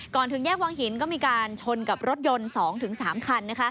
ถึงแยกวังหินก็มีการชนกับรถยนต์๒๓คัน